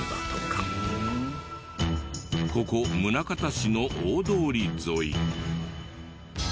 ここ宗像市の大通り沿い。